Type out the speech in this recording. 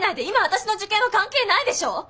今私の受験は関係ないでしょ？